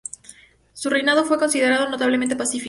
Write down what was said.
Su reinado fue considerado notablemente pacífico.